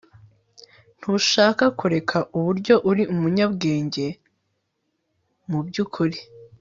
Ntushaka kureka uburyo uri umunyabwenge mubyukuri